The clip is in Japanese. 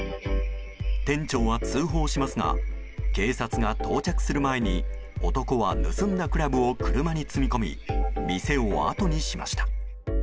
店長は通報しますが警察が到着する前に男は、盗んだクラブを車に積み込み店をあとにしました。